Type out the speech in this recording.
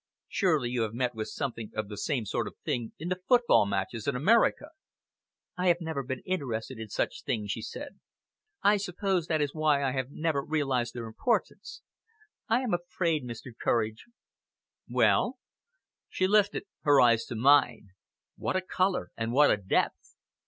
Surely you have met with something of the same sort of thing in the football matches in America!" "I have never been interested in such things," she said. "I suppose that is why I have never realized their importance. I am afraid, Mr. Courage " "Well?" She lifted her eyes to mine. What a color! and what a depth.